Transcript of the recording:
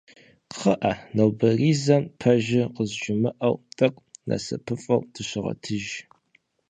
Кхъыӏэ нобэризэм пэжыр къызжумыӏэу, тӏэкӏу нэсыпыфӏэу дыщыгъэтыж.